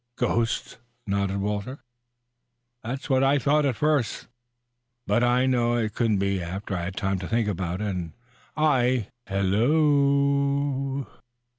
"Ghosts," nodded Walter. "That's what I thought at first. But I knew it couldn't be after I had time to think twice. And I " "He l l l o o o!"